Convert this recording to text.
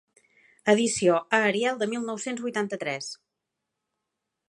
Edició a Ariel de mil nou-cents vuitanta-tres.